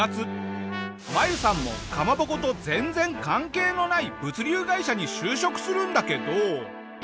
マユさんもかまぼこと全然関係のない物流会社に就職するんだけど。